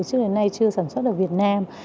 từ trước đến nay chưa sản xuất được việt nam